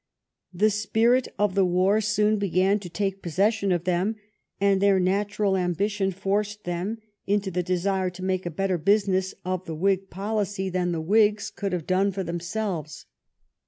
The spirit of the war soon began to take possession of them, and their natural ambition forced them into the desire to make a better business of the Whig policy than the Whigs could have done for themselves.